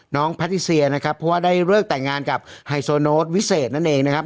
แพทิเซียนะครับเพราะว่าได้เลิกแต่งงานกับไฮโซโน้ตวิเศษนั่นเองนะครับ